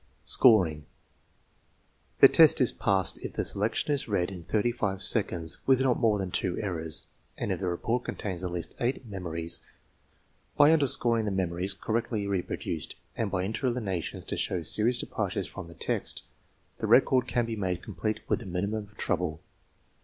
Scoring. The test is passed if the selection is read in thirty five seconds with not more than two errors, and if the report contains at least eight " memories." By underscoring the memories correctly reproduced, and by interlineations to show serious departures from the text, the record can be made complete with a minimum of trouble.